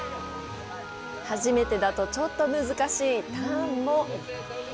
初めてだとちょっと難しいターンも。